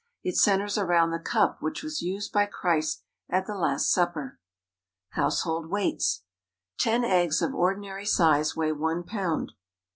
It centers around the cup which was used by Christ at the last supper. =Household Weights.= Ten eggs of ordinary size weigh one pound.